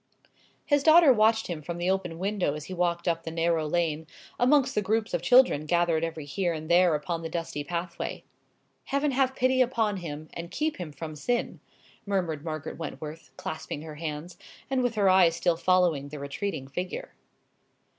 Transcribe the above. His daughter watched him from the open window as he walked up the narrow lane, amongst the groups of children gathered every here and there upon the dusty pathway. "Heaven have pity upon him, and keep him from sin!" murmured Margaret Wentworth, clasping her hands, and with her eyes still following the retreating figure.